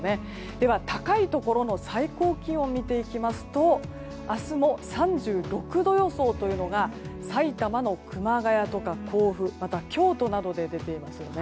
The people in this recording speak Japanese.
では、高いところの最高気温を見ていきますと明日も３６度予想というのが埼玉の熊谷とか甲府また、京都などで出ています。